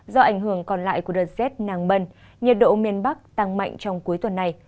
do ảnh hưởng còn lại của đợt rét nàng bần nhiệt độ miền bắc tăng mạnh trong cuối tuần này